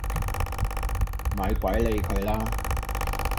咪鬼理佢啦